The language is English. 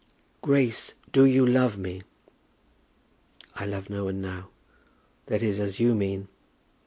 "Grace, do you love me?" "I love no one now, that is, as you mean.